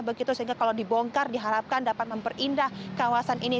begitu sehingga kalau dibongkar diharapkan dapat memperindah kawasan ini